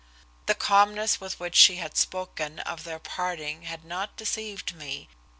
The calmness with which she had spoken of their parting had not deceived me.